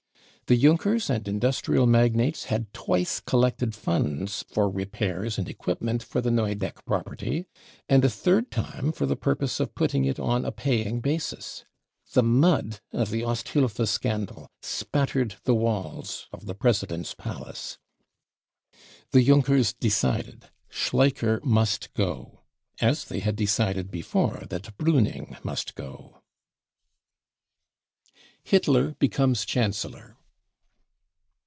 The Junkers and industrial magnates had twice collected funds for repairs and equipment for the ; Neudeck property, and a third time for the purpose of putting it on a paying basis. The mud of the Osthilfe scandal spattered the walls of the President's palace. The Junkers decided : Schleicher must go !— as they had decided Before that Pruning must go. Hitler becomes Chancellor.